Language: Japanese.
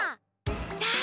さあ